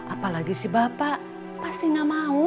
apalagi si bapak pasti gak mau